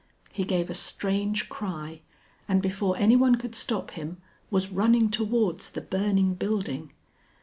He gave a strange cry, and before anyone could stop him, was running towards the burning building.